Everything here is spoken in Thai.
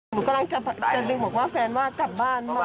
หนูกำลังจะดึงบอกว่าแฟนว่ากลับบ้าน